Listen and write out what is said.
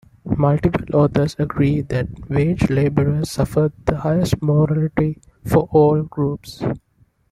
Multiple authors agree that "wage labourers suffered the highest mortality for all groups".